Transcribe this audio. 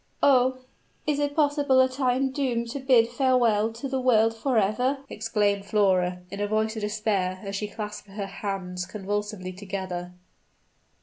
"Oh! is it possible that I am doomed to bid farewell to the world forever?" exclaimed Flora, in a voice of despair, as she clasped her hands convulsively together.